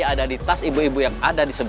sudah dulu kamu sedang mengangkat ring di poom